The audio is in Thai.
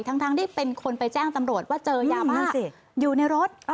ทั้งที่เป็นคนไปแจ้งตำรวจว่าเจอยาบ้าอยู่ในรถ